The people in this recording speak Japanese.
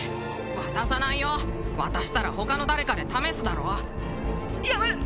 渡さないよ渡したら他の誰かで試すだろやめ